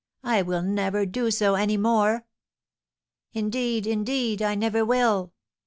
I will never do so any more. Indeed, indeed, I never will!